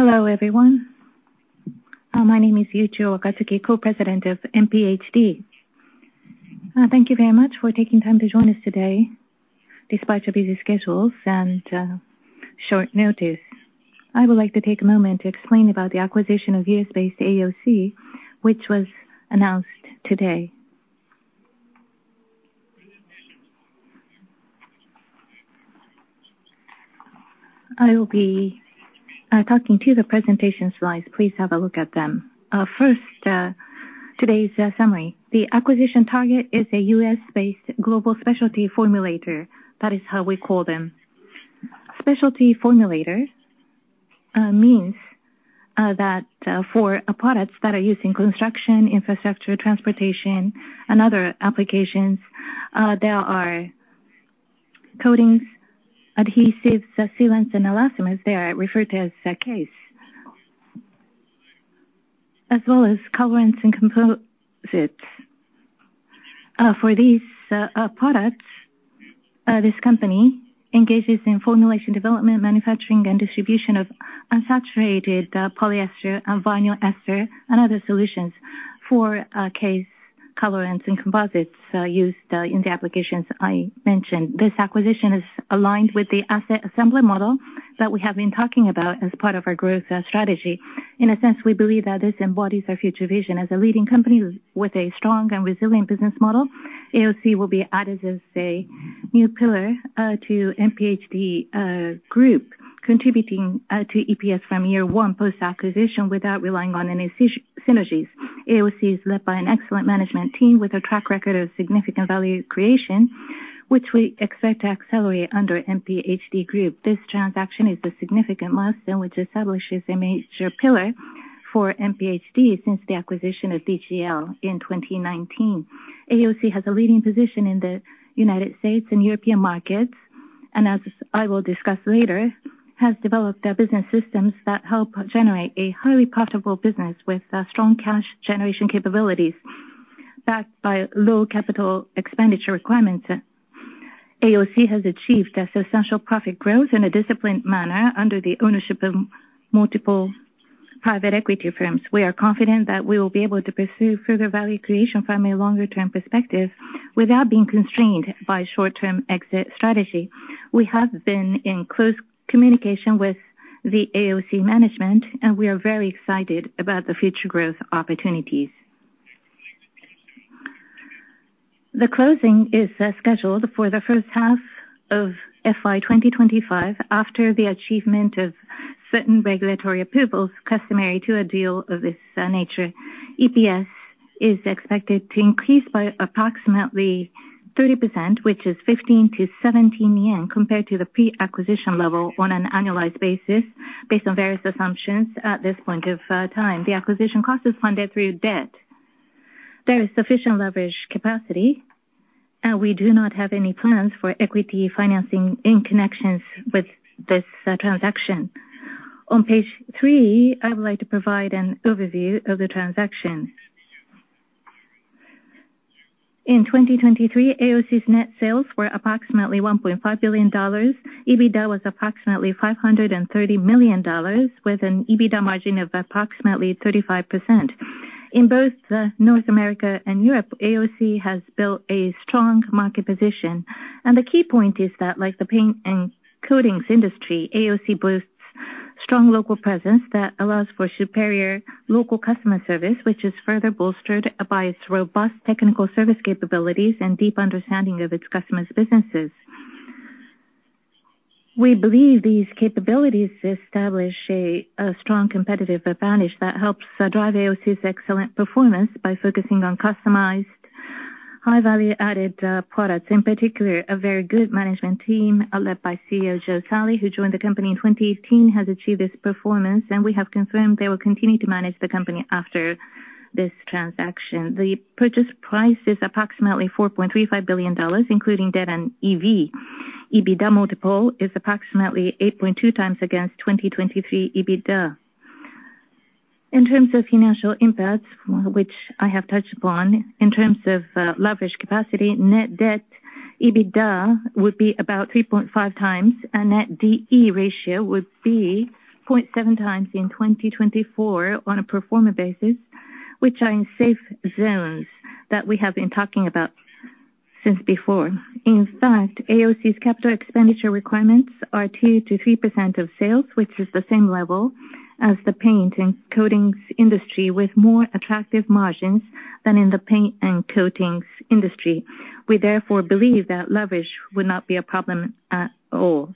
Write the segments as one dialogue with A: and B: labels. A: Hello, everyone. My name is Yuichiro Wakatsuki, Co-President of NPHD. Thank you very much for taking time to join us today, despite your busy schedules and short notice. I would like to take a moment to explain about the acquisition of U.S.-based AOC, which was announced today. I will be talking to the presentation slides. Please have a look at them. First, today's summary. The acquisition target is a U.S.-based global specialty formulator. That is how we call them. Specialty formulators means that for products that are used in construction, infrastructure, transportation, and other applications, there are coatings, adhesives, sealants, and elastomers. They are referred to as CASE. As well as colorants and composites. For these products, this company engages in formulation development, manufacturing, and distribution of unsaturated polyester and vinyl ester, and other solutions for CASE colorants and composites used in the applications I mentioned. This acquisition is aligned with the asset assembly model that we have been talking about as part of our growth strategy. In a sense, we believe that this embodies our future vision. As a leading company with a strong and resilient business model, AOC will be added as a new pillar to NPHD group, contributing to EPS from year one post-acquisition without relying on any synergies. AOC is led by an excellent management team with a track record of significant value creation, which we expect to accelerate under NPHD group. This transaction is a significant milestone, which establishes a major pillar for NPHD since the acquisition of DGL in 2019. AOC has a leading position in the United States and European markets, and as I will discuss later, has developed their business systems that help generate a highly profitable business with strong cash generation capabilities, backed by low capital expenditure requirements. AOC has achieved a substantial profit growth in a disciplined manner under the ownership of multiple private equity firms. We are confident that we will be able to pursue further value creation from a longer-term perspective without being constrained by short-term exit strategy. We have been in close communication with the AOC management, and we are very excited about the future growth opportunities. The closing is scheduled for the first half of FY 2025, after the achievement of certain regulatory approvals customary to a deal of this nature. EPS is expected to increase by approximately 30%, which is 15-17 yen, compared to the pre-acquisition level on an annualized basis, based on various assumptions at this point of time. The acquisition cost is funded through debt. There is sufficient leverage capacity, and we do not have any plans for equity financing in connection with this transaction. On page three, I would like to provide an overview of the transaction. In 2023, AOC's net sales were approximately $1.5 billion. EBITDA was approximately $530 million, with an EBITDA margin of approximately 35%. In both, North America and Europe, AOC has built a strong market position, and the key point is that, like the paint and coatings industry, AOC boasts strong local presence that allows for superior local customer service, which is further bolstered by its robust technical service capabilities and deep understanding of its customers' businesses. We believe these capabilities establish a strong competitive advantage that helps drive AOC's excellent performance by focusing on customized, high-value added products. In particular, a very good management team, led by CEO Joe Salley, who joined the company in 2018, has achieved this performance, and we have confirmed they will continue to manage the company after this transaction. The purchase price is approximately $4.35 billion, including debt and EV. EBITDA multiple is approximately 8.2x against 2023 EBITDA. In terms of financial impacts, which I have touched upon, in terms of, leverage capacity, net debt, EBITDA would be about 3.5x, and net DE ratio would be 0.7x in 2024 on a pro forma basis, which are in safe zones that we have been talking about since before. In fact, AOC's capital expenditure requirements are 2%-3% of sales, which is the same level as the paint and coatings industry, with more attractive margins than in the paint and coatings industry. We therefore believe that leverage would not be a problem at all.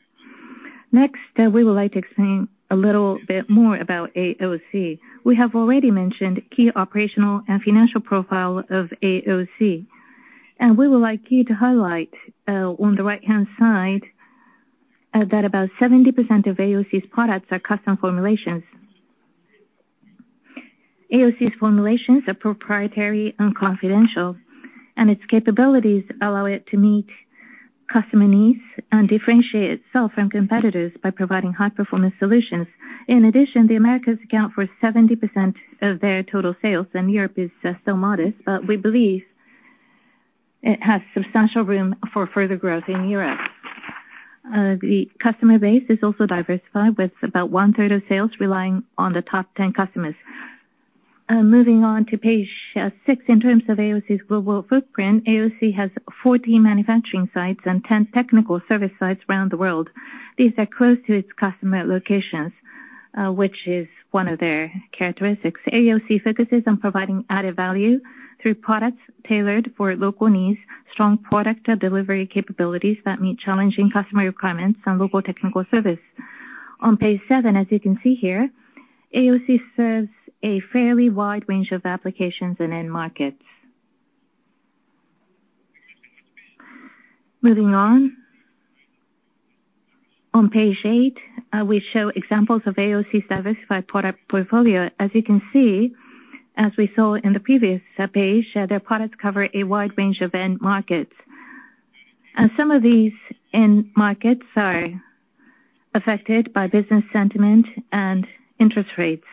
A: Next, we would like to explain a little bit more about AOC. We have already mentioned key operational and financial profile of AOC, and we would like you to highlight, on the right-hand side, that about 70% of AOC's products are custom formulations. AOC's formulations are proprietary and confidential, and its capabilities allow it to meet customer needs and differentiate itself from competitors by providing high-performance solutions. In addition, the Americas account for 70% of their total sales, and Europe is still modest, but we believe it has substantial room for further growth in Europe. The customer base is also diversified, with about one-third of sales relying on the top 10 customers. Moving on to page six. In terms of AOC's global footprint, AOC has 14 manufacturing sites and 10 technical service sites around the world. These are close to its customer locations, which is one of their characteristics. AOC focuses on providing added value through products tailored for local needs, strong product delivery capabilities that meet challenging customer requirements, and local technical service. On page seven, as you can see here, AOC serves a fairly wide range of applications and end markets. Moving on. On page eight, we show examples of AOC's diversified product portfolio. As you can see, as we saw in the previous page, their products cover a wide range of end markets. And some of these end markets are affected by business sentiment and interest rates.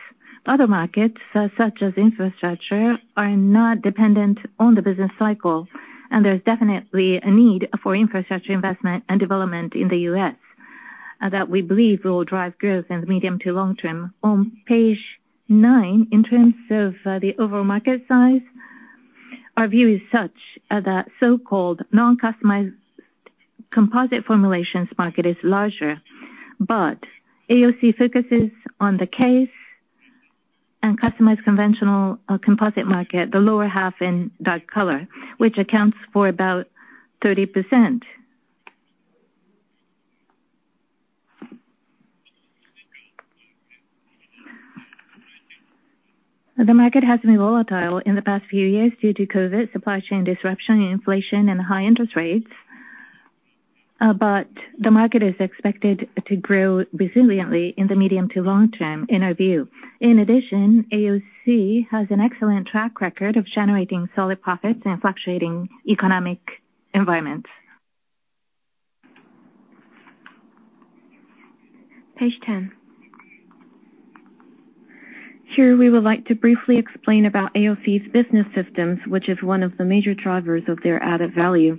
A: Other markets, such as infrastructure, are not dependent on the business cycle, and there is definitely a need for infrastructure investment and development in the U.S. that we believe will drive growth in the medium to long term. On page nine, in terms of the overall market size, our view is such that so-called non-customized composite formulations market is larger, but AOC focuses on the CASE and customized conventional composite market, the lower half in dark color, which accounts for about 30%. The market has been volatile in the past few years due to COVID, supply chain disruption, and inflation and high interest rates, but the market is expected to grow resiliently in the medium to long term, in our view. In addition, AOC has an excellent track record of generating solid profits in fluctuating economic environments. Page 10. Here, we would like to briefly explain about AOC's business systems, which is one of the major drivers of their added value.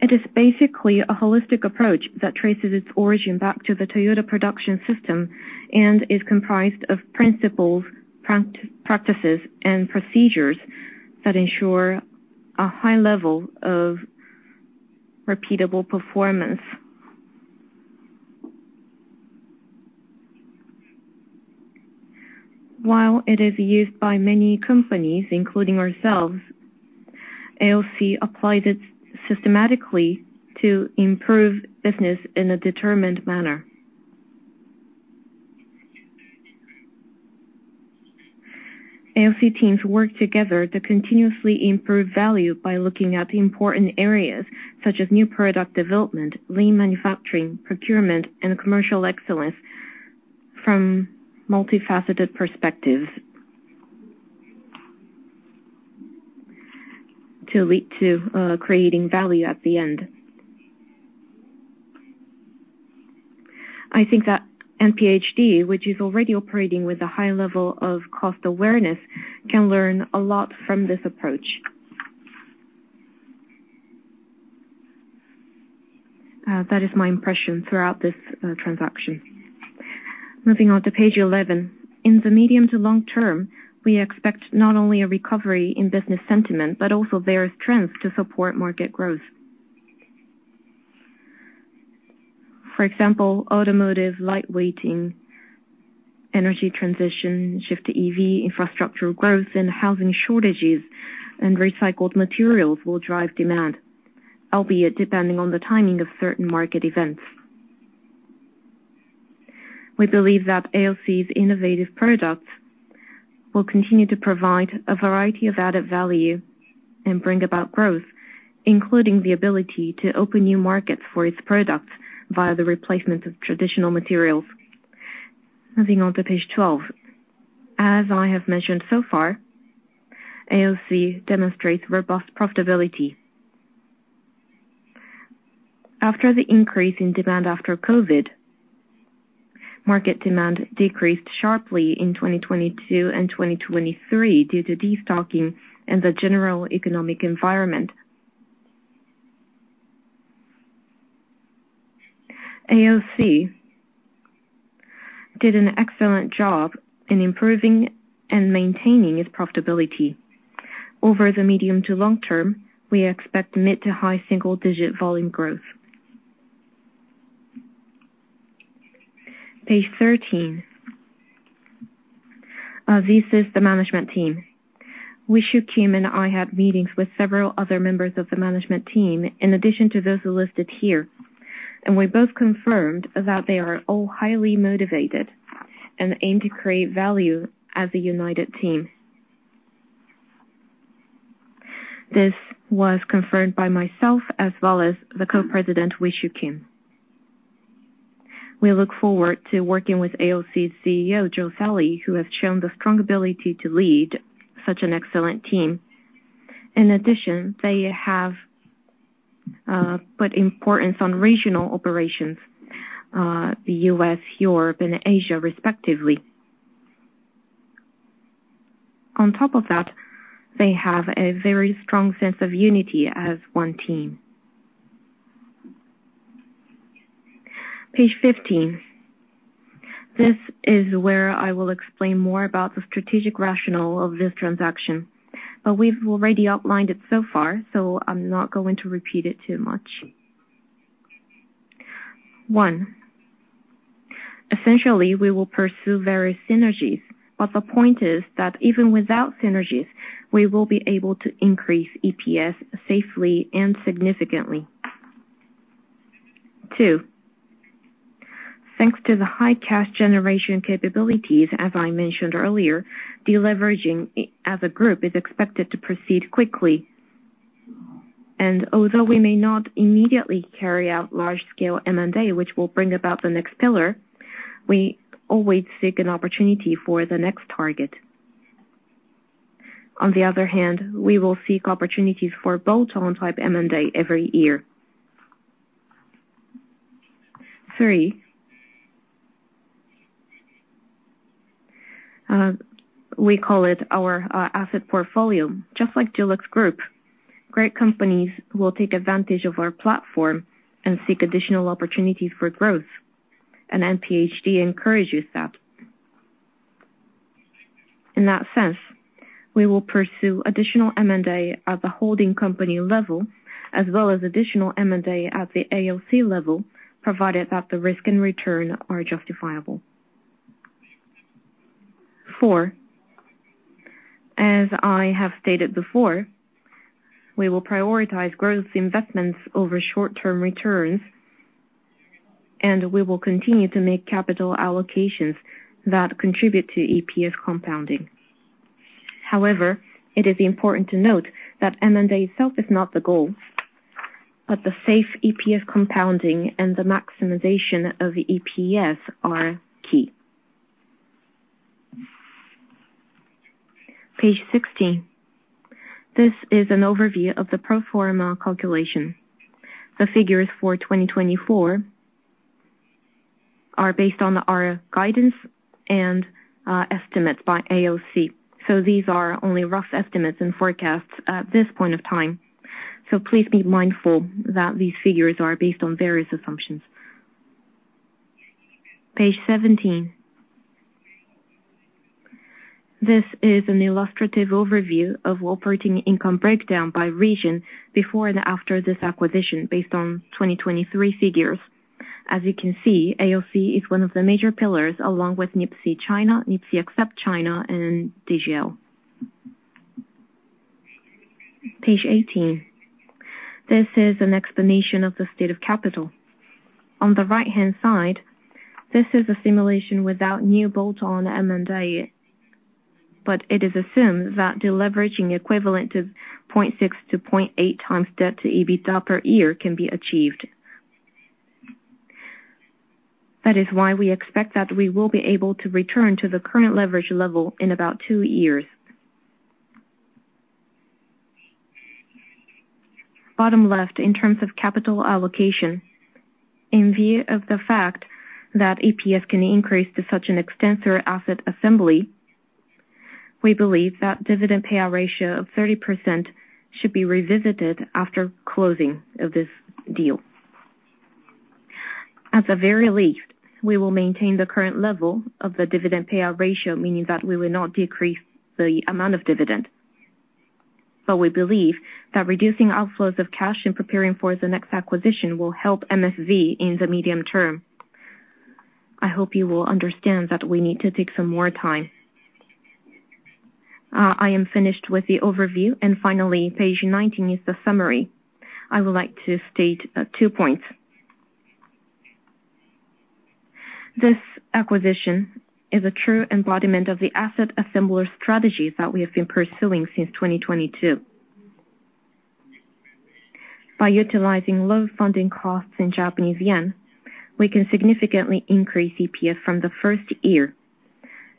A: It is basically a holistic approach that traces its origin back to the Toyota Production System, and is comprised of principles, practices, and procedures that ensure a high level of repeatable performance. While it is used by many companies, including ourselves, AOC applied it systematically to improve business in a determined manner. AOC teams work together to continuously improve value by looking at the important areas, such as new product development, lean manufacturing, procurement, and commercial excellence from multifaceted perspectives, to lead to creating value at the end. I think that NPHD, which is already operating with a high level of cost awareness, can learn a lot from this approach. That is my impression throughout this transaction. Moving on to page eleven. In the medium to long term, we expect not only a recovery in business sentiment, but also various trends to support market growth. For example, automotive, lightweighting, energy transition, shift to EV, infrastructural growth, and housing shortages and recycled materials will drive demand, albeit depending on the timing of certain market events. We believe that AOC's innovative products will continue to provide a variety of added value and bring about growth, including the ability to open new markets for its products via the replacement of traditional materials. Moving on to page twelve. As I have mentioned so far, AOC demonstrates robust profitability. After the increase in demand after COVID, market demand decreased sharply in 2022 and 2023 due to destocking and the general economic environment. AOC did an excellent job in improving and maintaining its profitability. Over the medium to long term, we expect mid- to high-single-digit volume growth. Page 13. This is the management team. Wee Siew Kim and I had meetings with several other members of the management team, in addition to those listed here, and we both confirmed that they are all highly motivated and aim to create value as a united team. This was confirmed by myself as well as the Co-President, Wee Siew Kim. We look forward to working with AOC's CEO, Joe Salley, who has shown the strong ability to lead such an excellent team. In addition, they have put importance on regional operations, the U.S., Europe, and Asia, respectively. On top of that, they have a very strong sense of unity as one team. Page 15. This is where I will explain more about the strategic rationale of this transaction, but we've already outlined it so far, so I'm not going to repeat it too much. One, essentially, we will pursue various synergies, but the point is that even without synergies, we will be able to increase EPS safely and significantly. Two, thanks to the high cash generation capabilities, as I mentioned earlier, deleveraging as a group is expected to proceed quickly. And although we may not immediately carry out large scale M&A, which will bring about the next pillar, we always seek an opportunity for the next target. On the other hand, we will seek opportunities for bolt-on type M&A every year. Three, we call it our asset portfolio. Just like JLUX Group, great companies will take advantage of our platform and seek additional opportunities for growth, and NPHD encourages that. In that sense, we will pursue additional M&A at the holding company level, as well as additional M&A at the AOC level, provided that the risk and return are justifiable. Four, as I have stated before, we will prioritize growth investments over short-term returns, and we will continue to make capital allocations that contribute to EPS compounding. However, it is important to note that M&A itself is not the goal, but the safe EPS compounding and the maximization of EPS are key. Page 16. This is an overview of the pro forma calculation. The figures for 2024 are based on our guidance and estimates by AOC, so these are only rough estimates and forecasts at this point of time, so please be mindful that these figures are based on various assumptions. Page seventeen. This is an illustrative overview of operating income breakdown by region before and after this acquisition, based on 2023 figures. As you can see, AOC is one of the major pillars along with NIPSEA China, NIPSEA except China, and DGL. Page 18. This is an explanation of the state of capital. On the right-hand side, this is a simulation without new bolt-on M&A, but it is assumed that deleveraging equivalent of 0.6-0.8x debt to EBITDA per year can be achieved. That is why we expect that we will be able to return to the current leverage level in about two years. Bottom left, in terms of capital allocation, in view of the fact that EPS can increase to such an extensive asset assembler, we believe that dividend payout ratio of 30% should be revisited after closing of this deal. At the very least, we will maintain the current level of the dividend payout ratio, meaning that we will not decrease the amount of dividend. But we believe that reducing outflows of cash and preparing for the next acquisition will help MSV in the medium term. I hope you will understand that we need to take some more time. I am finished with the overview, and finally, page 19 is the summary. I would like to state two points. This acquisition is a true embodiment of the asset assembler strategy that we have been pursuing since 2022. By utilizing low funding costs in Japanese yen, we can significantly increase EPS from the first year,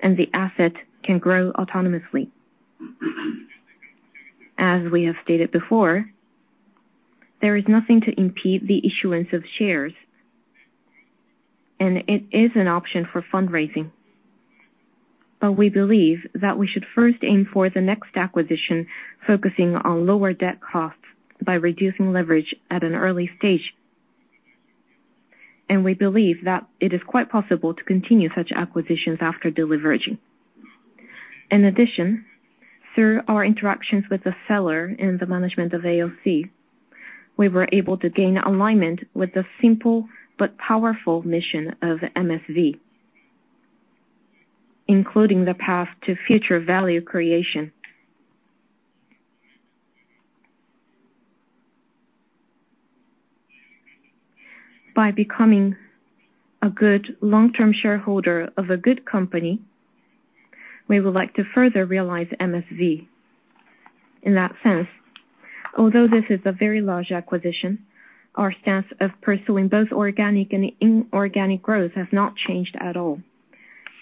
A: and the asset can grow autonomously. As we have stated before, there is nothing to impede the issuance of shares, and it is an option for fundraising. But we believe that we should first aim for the next acquisition, focusing on lower debt costs by reducing leverage at an early stage, and we believe that it is quite possible to continue such acquisitions after deleveraging. In addition, through our interactions with the seller and the management of AOC, we were able to gain alignment with the simple but powerful mission of MSV, including the path to future value creation. By becoming a good long-term shareholder of a good company, we would like to further realize MSV. In that sense, although this is a very large acquisition, our stance of pursuing both organic and inorganic growth has not changed at all,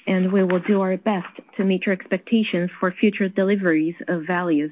A: and we will do our best to meet your expectations for future deliveries of values.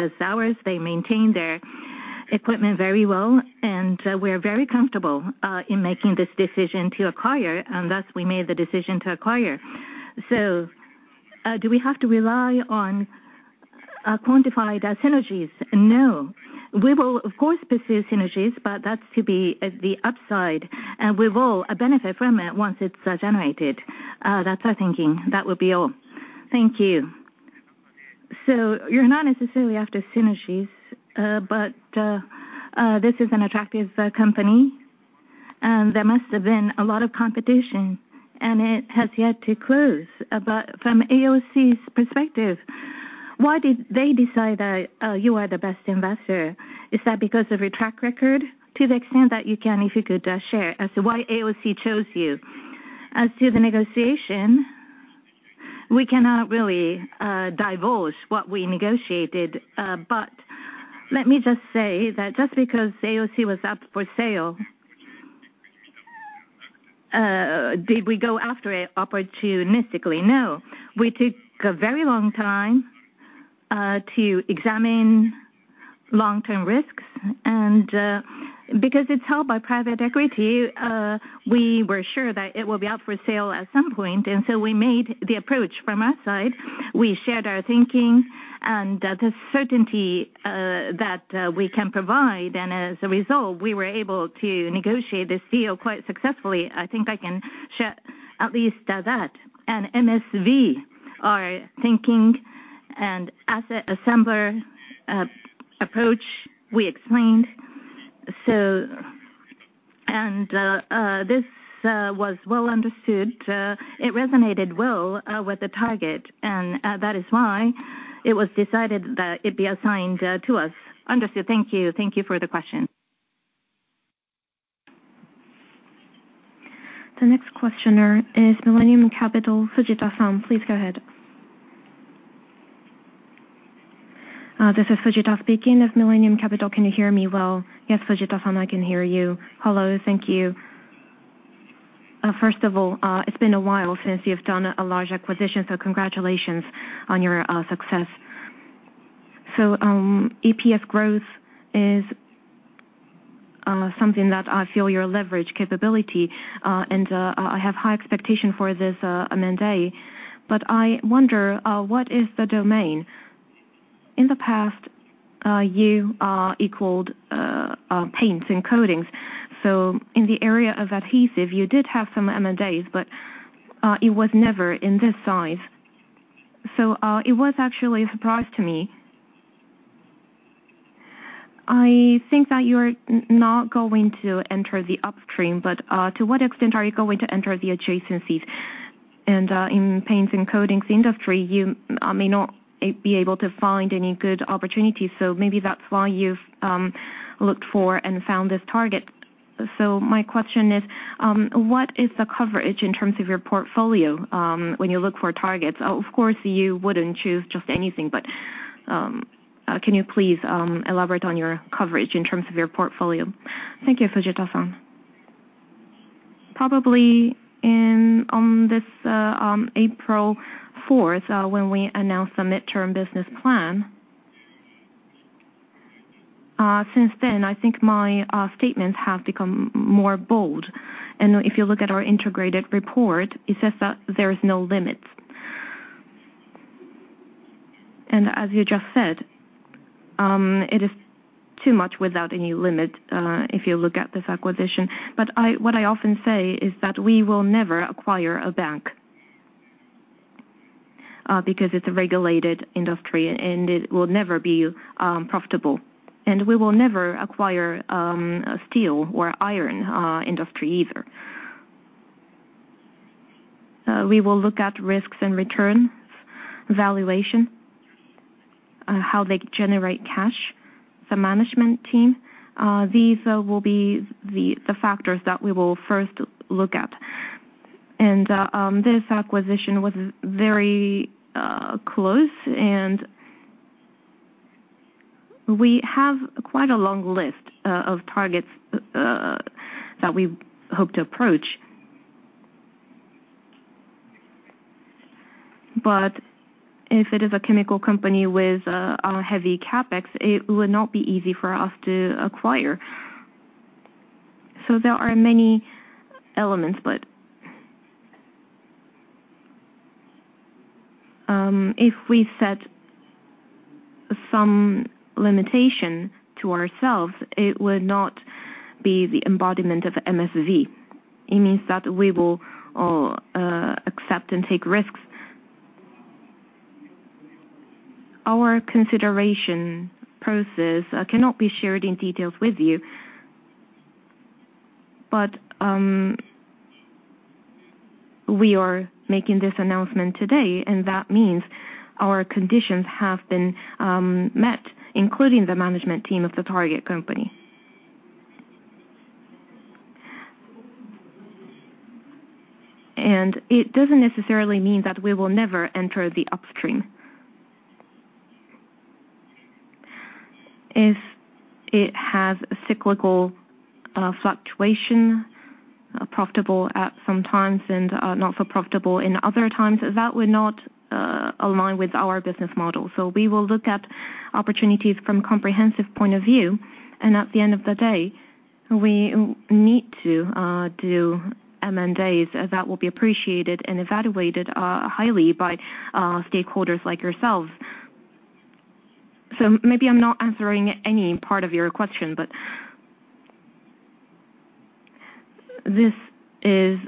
A: Those hours, they maintain their equipment very well, and we're very comfortable in making this decision to acquire, and thus we made the decision to acquire. So, do we have to rely on quantified synergies? No. We will, of course, pursue synergies, but that's to be at the upside, and we will benefit from it once it's generated. That's our thinking. That will be all. Thank you. So you're not necessarily after synergies, but this is an attractive company, and there must have been a lot of competition, and it has yet to close. But from AOC's perspective, why did they decide that you are the best investor? Is that because of your track record? To the extent that you can, if you could share as to why AOC chose you. As to the negotiation, we cannot really divulge what we negotiated, but let me just say that just because AOC was up for sale, did we go after it opportunistically? No. We took a very long time to examine long-term risks, and because it's held by private equity, we were sure that it will be up for sale at some point, and so we made the approach from our side. We shared our thinking and the certainty that we can provide, and as a result, we were able to negotiate this deal quite successfully. I think I can share at least that. And MSV are thinking and asset assembler approach we explained. So, and this was well understood. It resonated well with the target, and that is why it was decided that it be assigned to us. Understood. Thank you. Thank you for the question.
B: The next questioner is Millennium Capital, Fujita-san, please go ahead.
C: This is Fujita speaking of Millennium Capital. Can you hear me well? Yes, Fujita-san, I can hear you. Hello. Thank you. First of all, it's been a while since you've done a large acquisition, so congratulations on your success. So, EPS growth is something that I feel your leverage capability, and I have high expectation for this M&A. But I wonder what is the domain? In the past you equaled paints and coatings. So in the area of adhesive, you did have some M&As, but it was never in this size. So it was actually a surprise to me. I think that you're not going to enter the upstream, but to what extent are you going to enter the adjacencies? And in paints and coatings industry, you may not be able to find any good opportunities, so maybe that's why you've looked for and found this target. So my question is, what is the coverage in terms of your portfolio when you look for targets? Of course, you wouldn't choose just anything, but can you please elaborate on your coverage in terms of your portfolio?
D: Thank you, Fujita-san. Probably in, on this, April 4th, when we announced the midterm business plan, since then, I think my statements have become more bold. And if you look at our integrated report, it says that there is no limits. And as you just said, it is too much without any limit, if you look at this acquisition. But what I often say is that we will never acquire a bank, because it's a regulated industry, and it will never be profitable. And we will never acquire a steel or iron industry either. We will look at risks and returns, valuation, how they generate cash, the management team. These will be the factors that we will first look at. And, this acquisition was very close, and we have quite a long list of targets that we hope to approach. But if it is a chemical company with a heavy CapEx, it would not be easy for us to acquire. So there are many elements, but if we set some limitation to ourselves, it would not be the embodiment of MSV. It means that we will accept and take risks. Our consideration process cannot be shared in details with you, but we are making this announcement today, and that means our conditions have been met, including the management team of the target company. And it doesn't necessarily mean that we will never enter the upstream. If it has a cyclical, fluctuation, profitable at some times and, not so profitable in other times, that would not, align with our business model. So we will look at opportunities from comprehensive point of view, and at the end of the day, we need to, do M&As that will be appreciated and evaluated, highly by, stakeholders like yourselves. So maybe I'm not answering any part of your question, but this is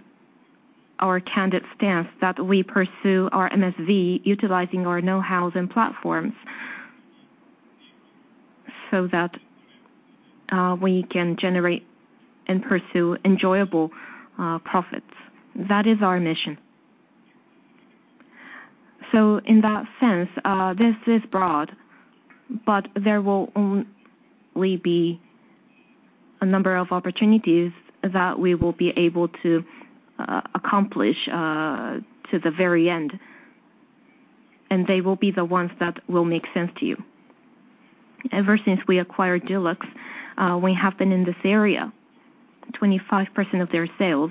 D: our candid stance that we pursue our MSV utilizing our know-hows and platforms so that, we can generate and pursue enjoyable, profits. That is our mission. So in that sense, this is broad, but there will only be a number of opportunities that we will be able to, accomplish, to the very end, and they will be the ones that will make sense to you. Ever since we acquired JLUX, we have been in this area, 25% of their sales.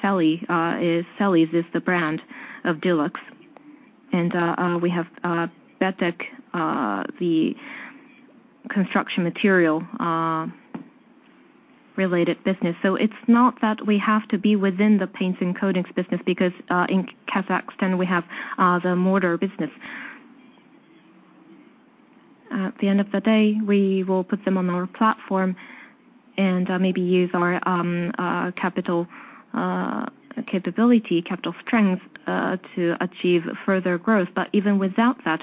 D: Selleys is the brand of JLUX, and we have Betek, the construction material related business. So it's not that we have to be within the paints and coatings business, because in Kazakhstan, we have the mortar business. At the end of the day, we will put them on our platform and maybe use our capital capability, capital strength to achieve further growth. But even without that,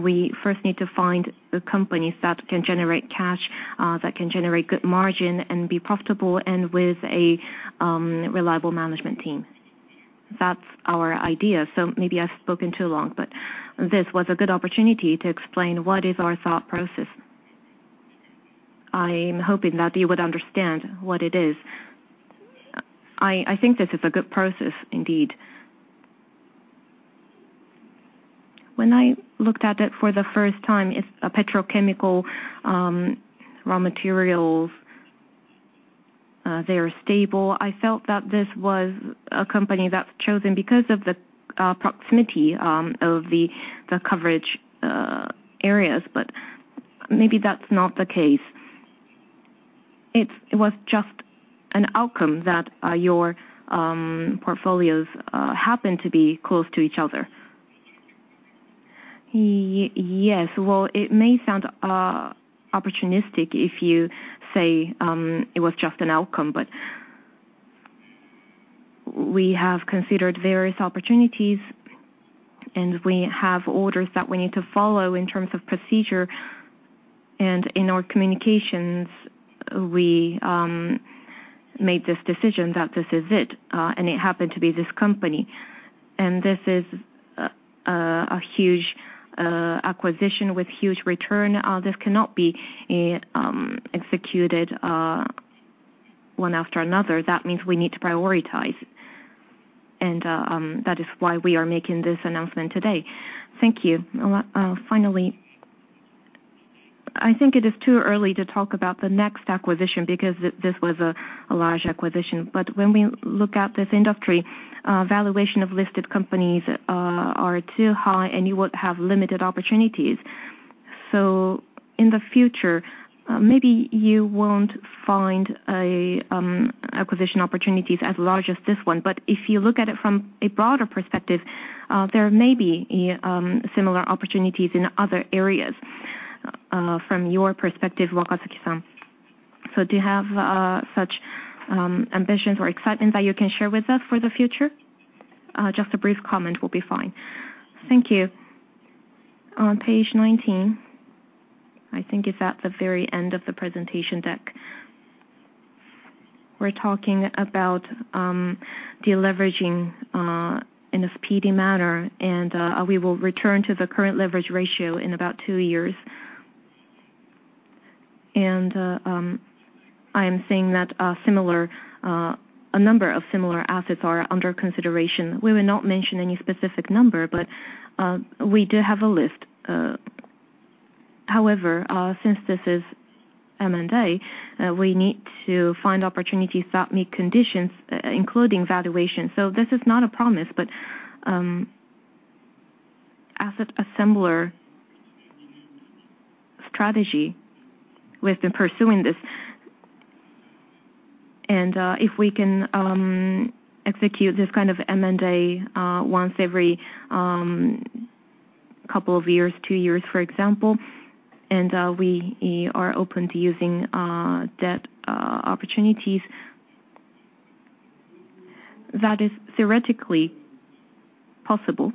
D: we first need to find the companies that can generate cash that can generate good margin and be profitable, and with a reliable management team. That's our idea. So maybe I've spoken too long, but this was a good opportunity to explain what is our thought process. I'm hoping that you would understand what it is. I think this is a good process indeed. When I looked at it for the first time, it's a petrochemical, raw materials. They are stable. I felt that this was a company that's chosen because of the proximity of the coverage areas, but maybe that's not the case. It was just an outcome that your portfolios happen to be close to each other. Yes. Well, it may sound opportunistic if you say it was just an outcome, but we have considered various opportunities, and we have orders that we need to follow in terms of procedure. And in our communications, we made this decision that this is it, and it happened to be this company. And this is a huge acquisition with huge return. This cannot be executed one after another. That means we need to prioritize, and that is why we are making this announcement today. Thank you. Finally, I think it is too early to talk about the next acquisition because this was a large acquisition. But when we look at this industry, valuation of listed companies are too high, and you would have limited opportunities. So in the future, maybe you won't find a acquisition opportunities as large as this one. But if you look at it from a broader perspective, there may be similar opportunities in other areas, from your perspective, Wakatsuki-san. So do you have such ambitions or excitement that you can share with us for the future? Just a brief comment will be fine. Thank you. On page 19, I think it's at the very end of the presentation deck. We're talking about deleveraging in a speedy manner, and we will return to the current leverage ratio in about two years. I am saying that a number of similar assets are under consideration. We will not mention any specific number, but we do have a list. However, since this is M&A, we need to find opportunities that meet conditions, including valuation. This is not a promise, but Asset Assembler strategy, we've been pursuing this. If we can execute this kind of M&A once every couple of years, two years, for example, and we are open to using debt opportunities, that is theoretically possible,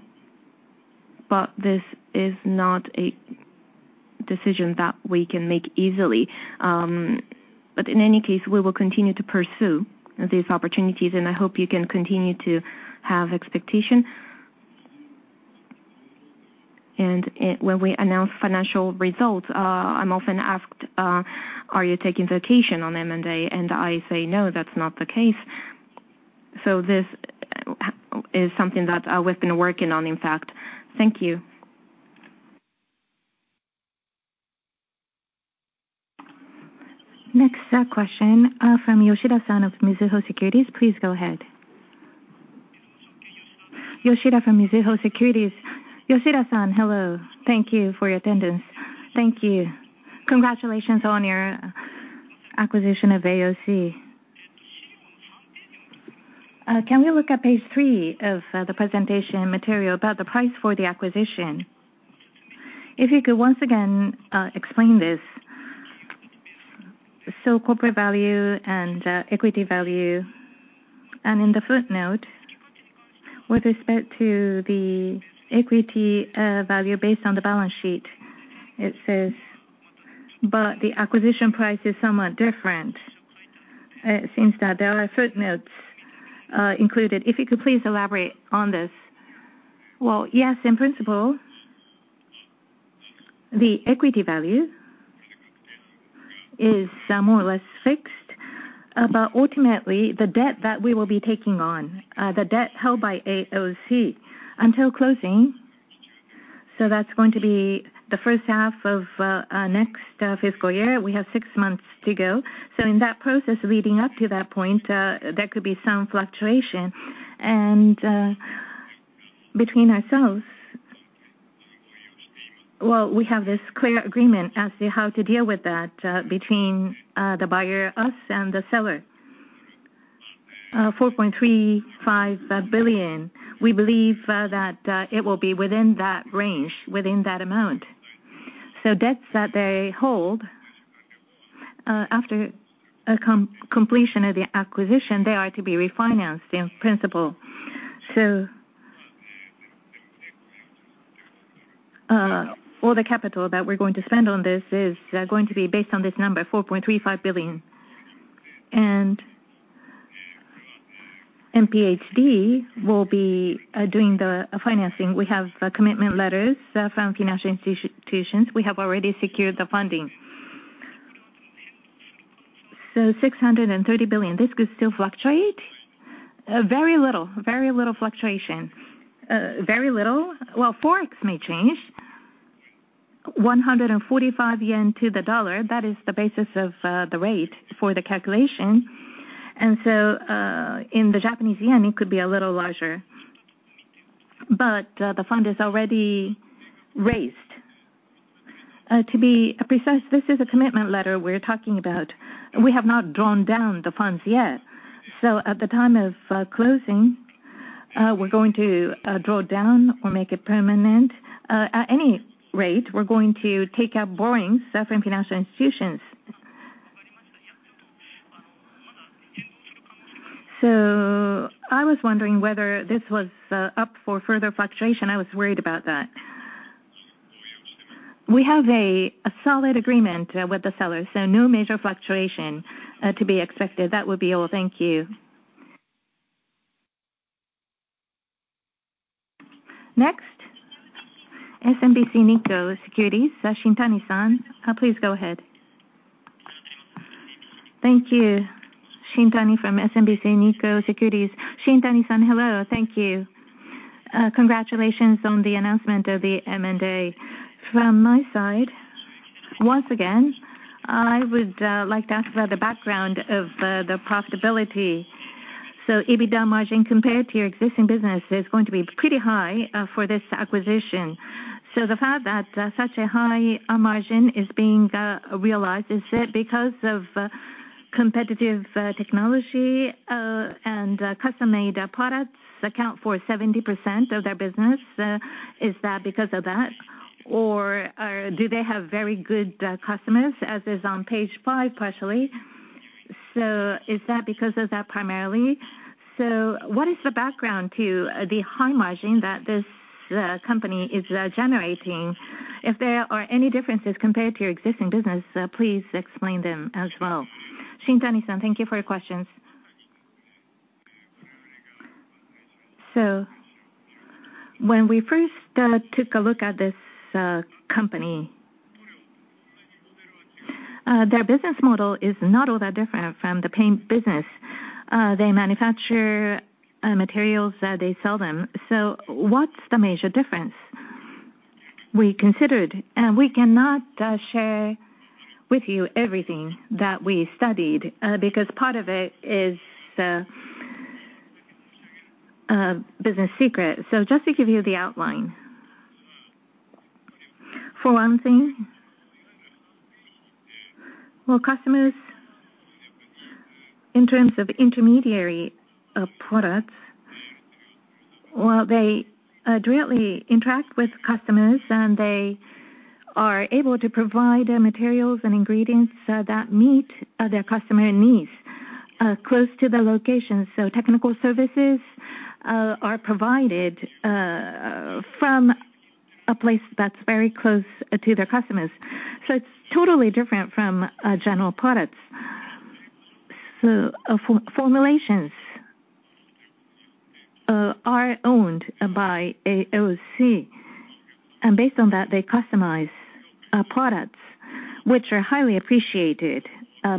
D: but this is not a decision that we can make easily. But in any case, we will continue to pursue these opportunities, and I hope you can continue to have expectation. And when we announce financial results, I'm often asked: "Are you taking notation on M&A?" And I say: "No, that's not the case." So this is something that we've been working on, in fact. Thank you.
B: Next, question from Yoshida-san of Mizuho Securities. Please go ahead. Yoshida from Mizuho Securities. Yoshida-san, hello. Thank you for your attendance.
C: Thank you. Congratulations on your acquisition of AOC. Can we look at page three of the presentation material about the price for the acquisition? If you could once again explain this. So corporate value and equity value, and in the footnote, with respect to the equity value based on the balance sheet, it says but the acquisition price is somewhat different. It seems that there are footnotes included. If you could please elaborate on this.
D: Well, yes, in principle, the equity value is more or less fixed. But ultimately, the debt that we will be taking on, the debt held by AOC until closing, so that's going to be the first half of our next fiscal year. We have six months to go. So in that process leading up to that point, there could be some fluctuation. And, between ourselves, well, we have this clear agreement as to how to deal with that, between the buyer, us, and the seller. $4.35 billion. We believe that it will be within that range, within that amount. So debts that they hold after completion of the acquisition, they are to be refinanced in principle. So all the capital that we're going to spend on this is going to be based on this number, $4.35 billion. NPHD will be doing the financing. We have commitment letters from financial institutions. We have already secured the funding. So 630 billion, this could still fluctuate? Very little. Very little fluctuation. Very little. Forex may change. 145 yen to the dollar, that is the basis of the rate for the calculation. So in the Japanese yen, it could be a little larger, but the fund is already raised. To be precise, this is a commitment letter we're talking about. We have not drawn down the funds yet, so at the time of closing, we're going to draw down or make it permanent. At any rate, we're going to take out borrowings from financial institutions. So I was wondering whether this was up for further fluctuation. I was worried about that. We have a solid agreement with the sellers, so no major fluctuation to be expected. That would be all. Thank you.
B: Next, SMBC Nikko Securities, Shintani-san, please go ahead.
E: Thank you. Shintani from SMBC Nikko Securities. Shintani-san, hello, thank you. Congratulations on the announcement of the M&A. From my side, once again, I would like to ask about the background of the profitability. So EBITDA margin compared to your existing business is going to be pretty high for this acquisition. So the fact that such a high margin is being realized, is it because of competitive technology and custom-made products account for 70% of their business? Is that because of that, or do they have very good customers, as is on page five, partially? So is that because of that, primarily? So what is the background to the high margin that this company is generating? If there are any differences compared to your existing business, please explain them as well.
A: Shintani-san, thank you for your questions. So when we first took a look at this company, their business model is not all that different from the paint business. They manufacture materials, they sell them. So what's the major difference? We considered, and we cannot share with you everything that we studied, because part of it is the business secret. So just to give you the outline. For one thing, well, customers in terms of intermediary of products, well, they directly interact with customers, and they are able to provide materials and ingredients that meet their customer needs close to the location. So technical services are provided from a place that's very close to their customers. So it's totally different from general products. So formulations are owned by AOC, and based on that, they customize products which are highly appreciated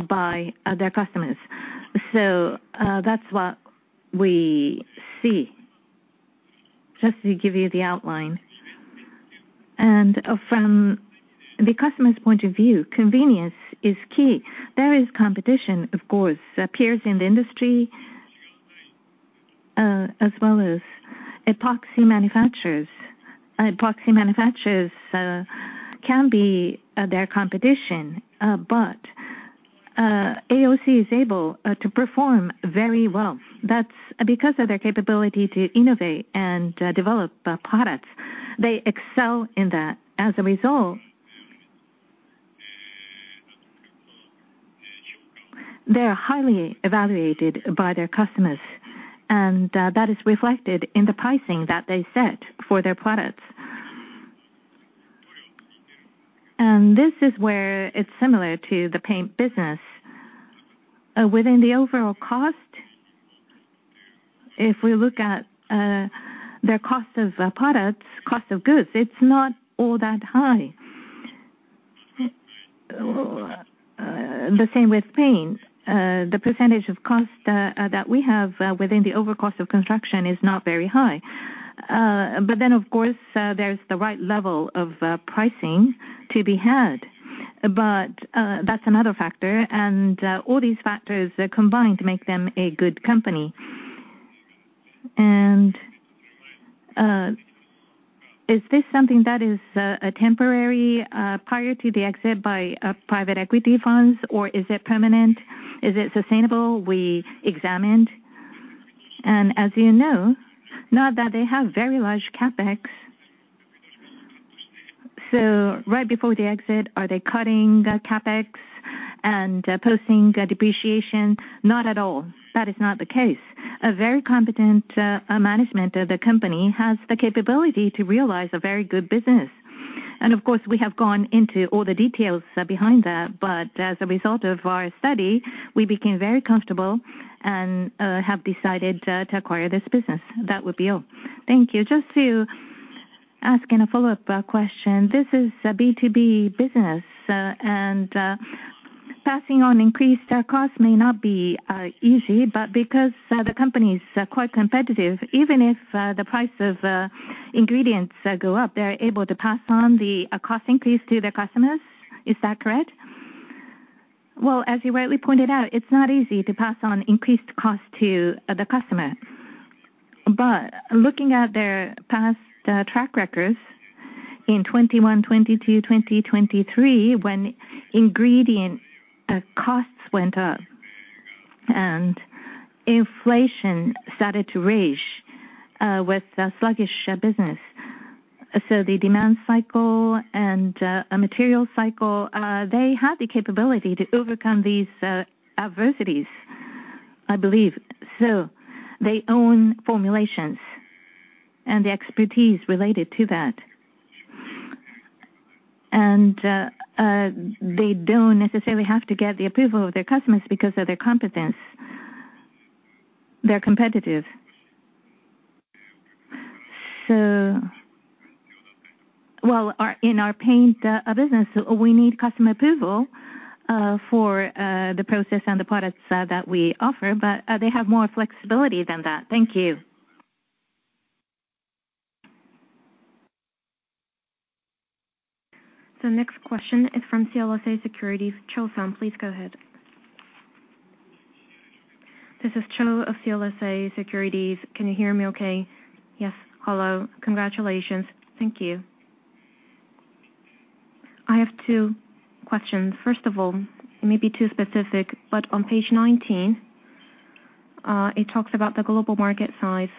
A: by their customers. So that's what we see, just to give you the outline. From the customer's point of view, convenience is key. There is competition, of course, peers in the industry, as well as epoxy manufacturers. Epoxy manufacturers can be their competition, but AOC is able to perform very well. That's because of their capability to innovate and develop products. They excel in that. As a result, they are highly evaluated by their customers, and that is reflected in the pricing that they set for their products. This is where it's similar to the paint business. Within the overall cost, if we look at their cost of products, cost of goods, it's not all that high. The same with paint. The percentage of cost that we have within the overall cost of construction is not very high. But then, of course, there's the right level of pricing to be had, but that's another factor. And all these factors, they combine to make them a good company. And is this something that is a temporary prior to the exit by private equity funds, or is it permanent? Is it sustainable?
D: We examined, and as you know, now that they have very large CapEx. So right before the exit, are they cutting the CapEx and posting depreciation? Not at all. That is not the case. A very competent management of the company has the capability to realize a very good business. And of course, we have gone into all the details behind that, but as a result of our study, we became very comfortable and have decided to acquire this business. That would be all.
E: Thank you. Just to ask in a follow-up question, this is a B2B business, and passing on increased costs may not be easy, but because the company is quite competitive, even if the price of ingredients go up, they are able to pass on the cost increase to their customers. Is that correct?
D: Well, as you rightly pointed out, it's not easy to pass on increased cost to the customer. But looking at their past track records in 2021, 2022, 2023, when ingredient costs went up and inflation started to rise with the sluggish business. So the demand cycle and a material cycle, they had the capability to overcome these adversities, I believe. So they own formulations and the expertise related to that. And they don't necessarily have to get the approval of their customers because of their competence. They're competitive. So... Well, in our paint business, we need customer approval for the process and the products that we offer, but they have more flexibility than that.
E: Thank you.
B: The next question is from CLSA Securities, Cho-san, please go ahead.
F: This is Cho of CLSA Securities. Can you hear me okay? Yes. Hello. Congratulations. Thank you. I have two questions. First of all, it may be too specific, but on page 19, it talks about the global market size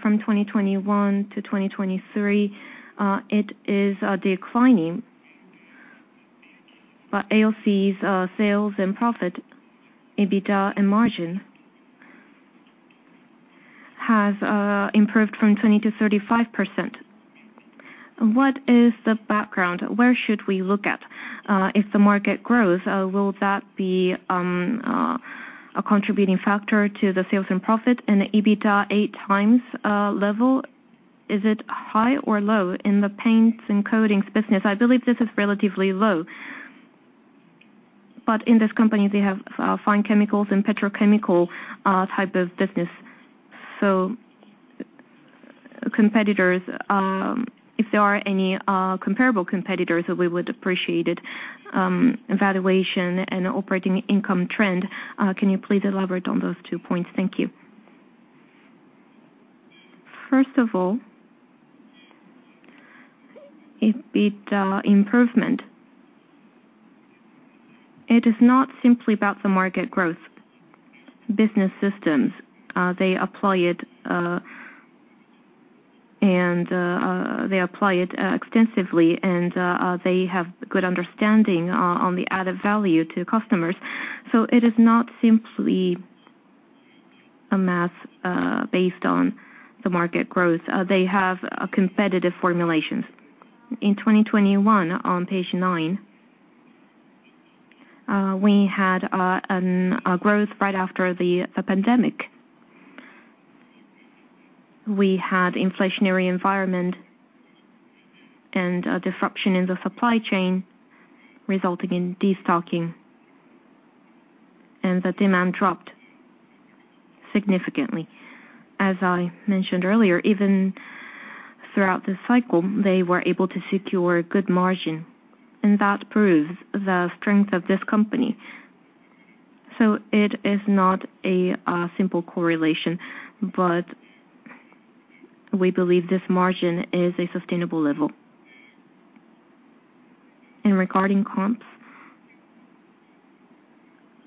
F: from 2021 to 2023. It is declining, but AOC's sales and profit, EBITDA and margin has improved from 20% to 35%. What is the background? Where should we look at? If the market grows, will that be a contributing factor to the sales and profit and the EBITDA 8x level? Is it high or low in the paints and coatings business? I believe this is relatively low, but in this company, they have fine chemicals and petrochemical type of business.
D: So, competitors, if there are any, comparable competitors, we would appreciate it, valuation and operating income trend. Can you please elaborate on those two points? Thank you. First of all, EBITDA improvement. It is not simply about the market growth. Business systems. They apply it extensively, and they have good understanding on the added value to customers. So it is not simply a math based on the market growth. They have a competitive formulations. In 2021, on page nine, we had a growth right after the pandemic. We had inflationary environment and a disruption in the supply chain, resulting in destocking, and the demand dropped significantly. As I mentioned earlier, even throughout the cycle, they were able to secure good margin, and that proves the strength of this company, so it is not a simple correlation, but we believe this margin is a sustainable level, and regarding comps,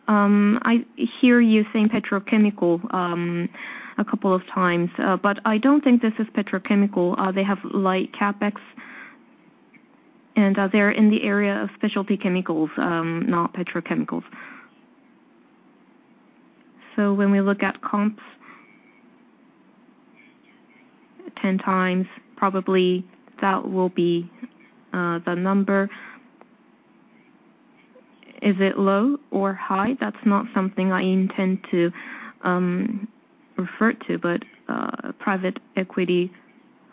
D: I hear you saying petrochemical a couple of times, but I don't think this is petrochemical. They have light CapEx, and they're in the area of specialty chemicals, not petrochemicals, so when we look at comps, 10x, probably that will be the number. Is it low or high? That's not something I intend to refer to, but private equity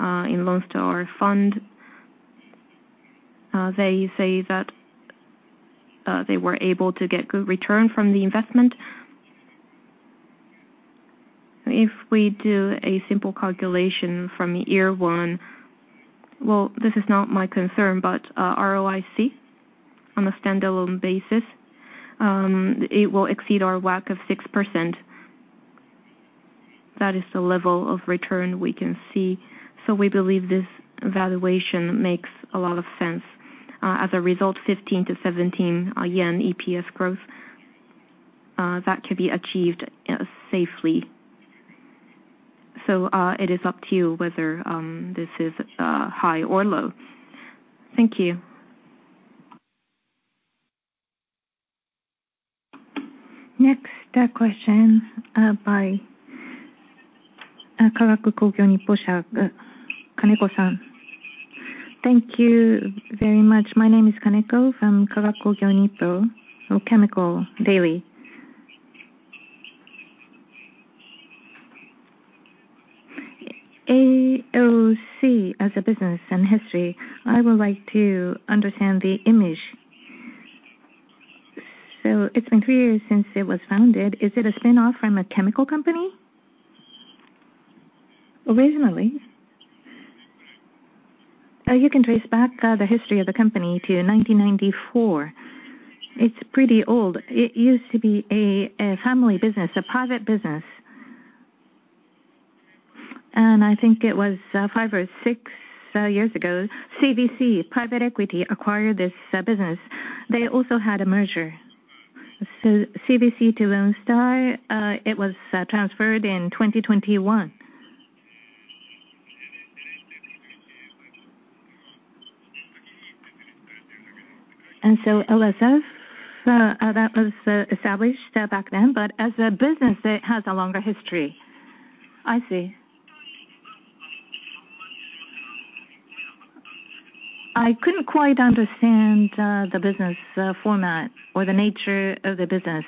D: in loans to our fund, they say that they were able to get good return from the investment. If we do a simple calculation from year one- ...Well, this is not my concern, but, ROIC on a standalone basis, it will exceed our WACC of 6%. That is the level of return we can see. So we believe this valuation makes a lot of sense. As a result, 15-17 yen EPS growth, that could be achieved, safely. So, it is up to you whether, this is, high or low. Thank you.
B: Next, question by Kagaku Kogyo Nippo's Kaneko-san. Thank you very much. My name is Kaneko from Kagaku Kogyo Nippo, or Chemical Daily. AOC as a business and history, I would like to understand the image. So it's been three years since it was founded. Is it a spin-off from a chemical company?
A: Originally. You can trace back the history of the company to 1994. It's pretty old. It used to be a family business, a private business. And I think it was five or six years ago, CVC Capital Partners acquired this business. They also had a merger. So CVC Capital Partners to Lone Star Funds, it was transferred in twenty twenty-one. And so AOC that was established back then, but as a business, it has a longer history. I see. I couldn't quite understand the business format or the nature of the business.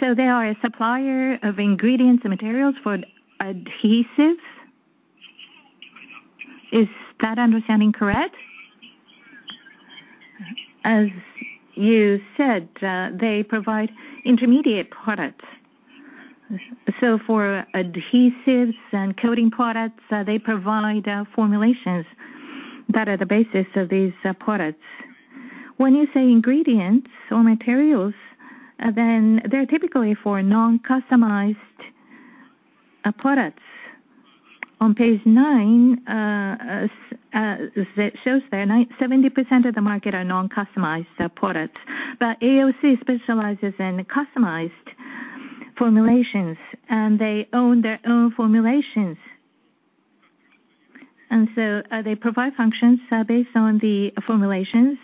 A: So they are a supplier of ingredients and materials for adhesives? Is that understanding correct? As you said, they provide intermediate products. So for adhesives and coating products, they provide formulations that are the basis of these products. When you say ingredients or materials, then they're typically for non-customized products. On page nine, it shows that 97% of the market are non-customized products. But AOC specializes in customized formulations, and they own their own formulations. And so, they provide functions based on the formulations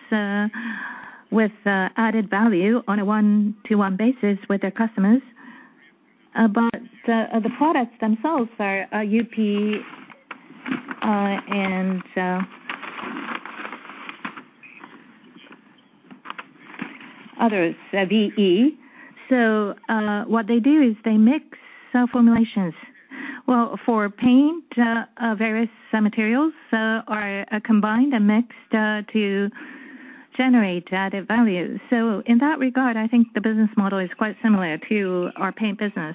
A: with added value on a one-to-one basis with their customers. But the products themselves are UP and others, VE. So, what they do is they mix formulations. Well, for paint, various materials are combined and mixed to generate added value. So in that regard, I think the business model is quite similar to our paint business.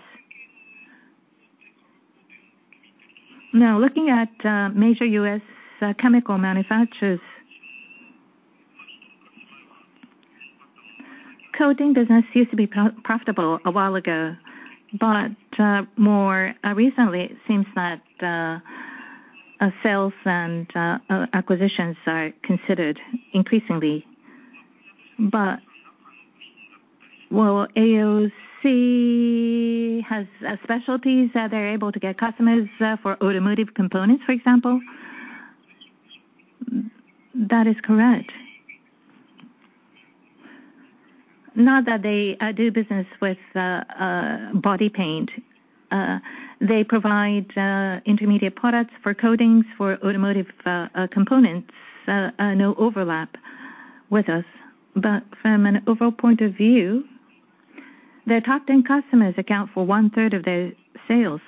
A: Now, looking at major U.S. chemical manufacturers, coating business used to be profitable a while ago, but more recently, it seems that sales and acquisitions are considered increasingly. But AOC has specialties that they're able to get customers for automotive components, for example. That is correct. Not that they do business with body paint. They provide intermediate products for coatings for automotive components, no overlap with us. But from an overall point of view, their top 10 customers account for one-third of their sales.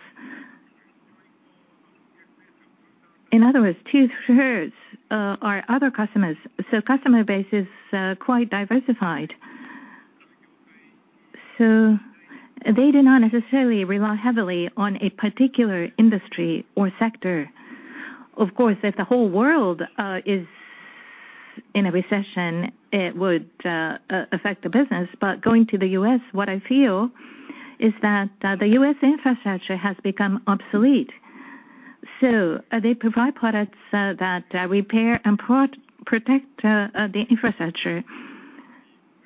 A: In other words, two-thirds are other customers, so customer base is quite diversified. So they do not necessarily rely heavily on a particular industry or sector. Of course, if the whole world is in a recession, it would affect the business. But going to the U.S., what I feel is that the U.S. infrastructure has become obsolete. So they provide products that repair and protect the infrastructure,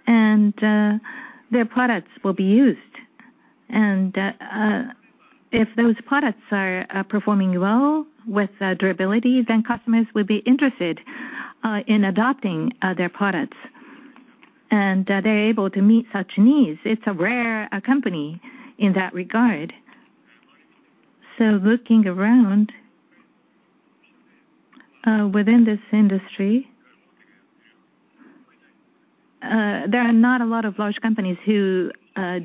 A: and their products will be used. And if those products are performing well with durability, then customers would be interested in adopting their products, and they're able to meet such needs. It's a rare company in that regard. So looking around within this industry, there are not a lot of large companies who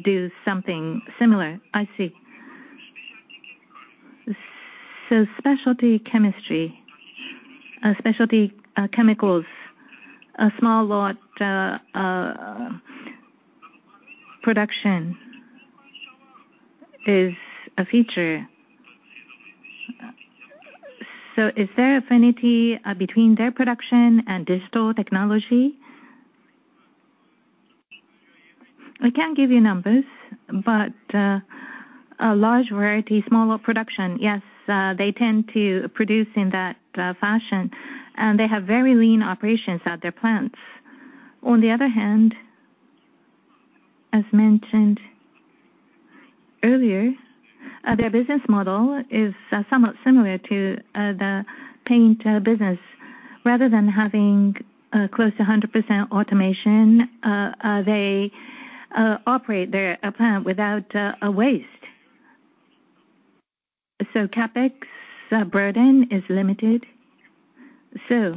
A: do something similar. I see. So specialty chemistry, specialty chemicals, small lot production is a feature. So is there affinity between their production and digital technology? I can't give you numbers, but a large variety, smaller production, yes, they tend to produce in that fashion, and they have very lean operations at their plants. On the other hand, as mentioned earlier, their business model is somewhat similar to the paint business. Rather than having close to 100% automation, they operate their plant without a waste. So CapEx burden is limited. So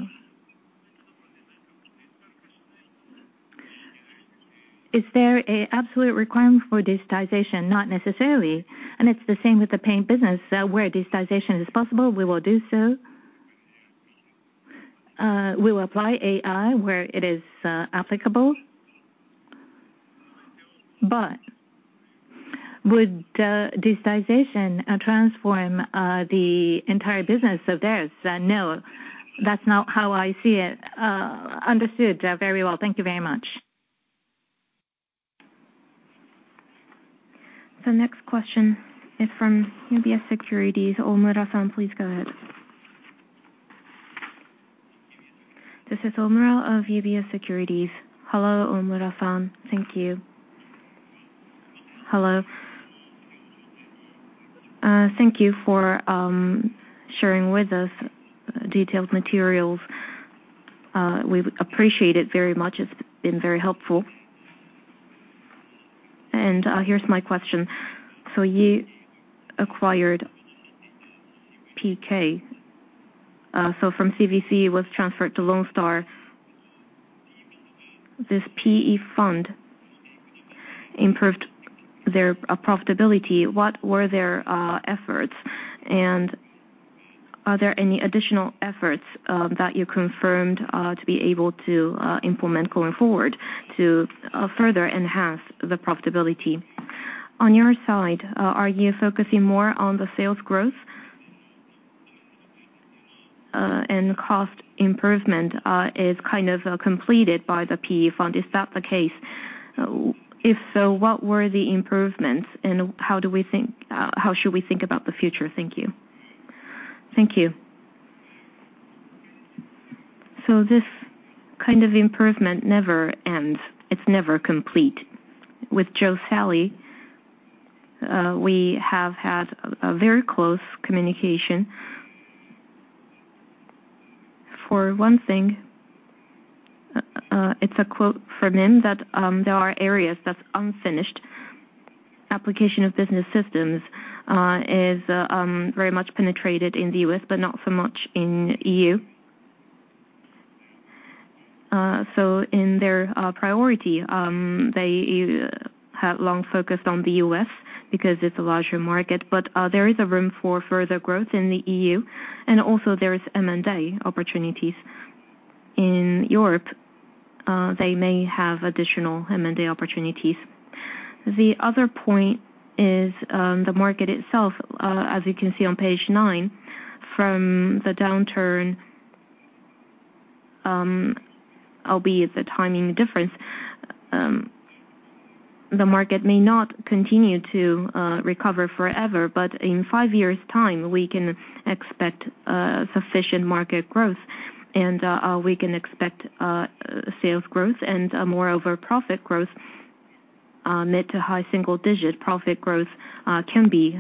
A: is there an absolute requirement for digitization? Not necessarily, and it's the same with the paint business, where digitization is possible, we will do so. We will apply AI where it is applicable. But would digitization transform the entire business of theirs? No, that's not how I see it. Understood. Very well. Thank you very much.
B: The next question is from UBS Securities, Omura-san, please go ahead.
G: This is Omura of UBS Securities. Hello, Omura-san. Thank you. Hello. Thank you for sharing with us detailed materials. We appreciate it very much. It's been very helpful. And, here's my question: So you acquired AOC. So from CVC, it was transferred to Lone Star. This PE fund improved their profitability. What were their efforts? And are there any additional efforts that you confirmed to be able to implement going forward to further enhance the profitability? On your side, are you focusing more on the sales growth and cost improvement is kind of completed by the PE fund? Is that the case? If so, what were the improvements, and how should we think about the future? Thank you.
D: Thank you. So this kind of improvement never ends. It's never complete. With Joe Salley, we have had a very close communication. For one thing, it's a quote from him that there are areas that's unfinished. Application of business systems is very much penetrated in the US, but not so much in EU. So in their priority, they have long focused on the US because it's a larger market, but there is a room for further growth in the EU, and also there is M&A opportunities. In Europe, they may have additional M&A opportunities. The other point is, the market itself, as you can see on page nine, from the downturn, albeit the timing difference, the market may not continue to recover forever, but in five years' time, we can expect sufficient market growth, and we can expect sales growth and, moreover, profit growth. Mid to high single digit profit growth can be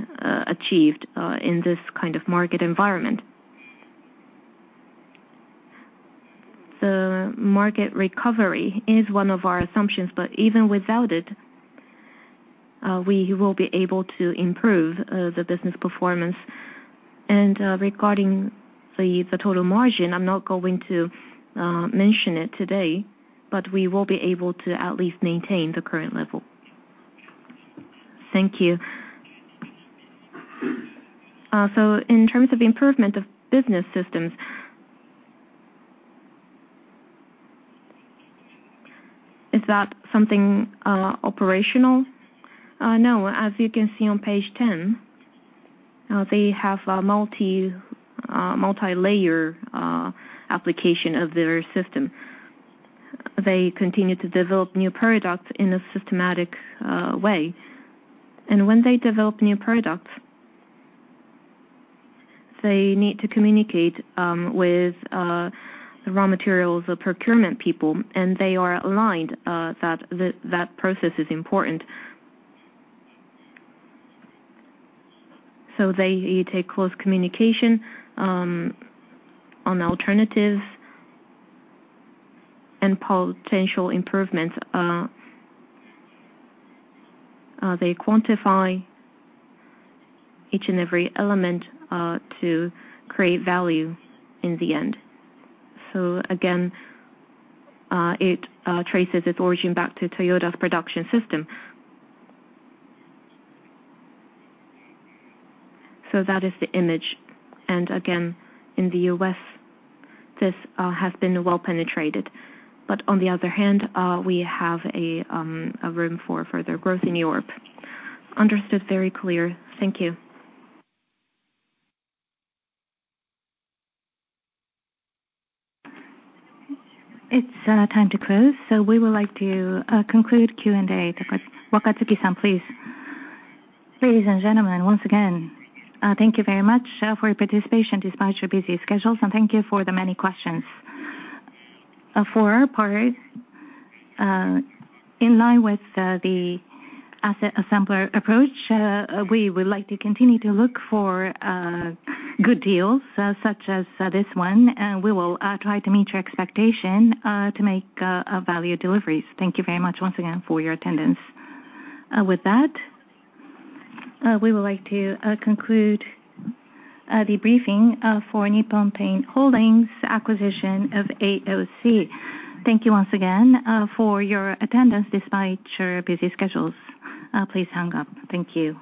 D: achieved in this kind of market environment. The market recovery is one of our assumptions, but even without it, we will be able to improve the business performance. Regarding the total margin, I'm not going to mention it today, but we will be able to at least maintain the current level. Thank you. In terms of improvement of business systems, is that something operational? No. As you can see on page 10, they have a multilayer application of their system. They continue to develop new products in a systematic way, and when they develop new products, they need to communicate with the raw materials, the procurement people, and they are aligned, that process is important. So they take close communication on alternatives and potential improvements. They quantify each and every element to create value in the end. So again, it traces its origin back to Toyota Production System. So that is the image. And again, in the U.S., this has been well penetrated, but on the other hand, we have a room for further growth in Europe.
G: Understood. Very clear. Thank you.
B: It's time to close, so we would like to conclude Q&A. Wakatsuki-san, please.
A: Ladies and gentlemen, once again, thank you very much for your participation despite your busy schedules, and thank you for the many questions. For our part, in line with the asset assembler approach, we would like to continue to look for good deals such as this one, and we will try to meet your expectation to make value deliveries. Thank you very much once again for your attendance. With that, we would like to conclude the briefing for Nippon Paint Holdings' acquisition of AOC. Thank you once again for your attendance despite your busy schedules. Please hang up. Thank you.